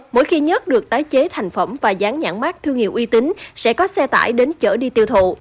mỗi khi nhất được tái chế thành phẩm và dán nhãn mát thương hiệu uy tín sẽ có xe tải đến chở đi tiêu thụ